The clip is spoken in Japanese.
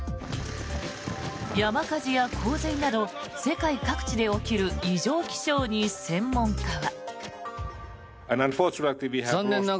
山火事や洪水など世界各地で起きる異常気象に専門家は。